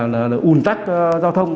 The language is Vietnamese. là ủn tắc giao thông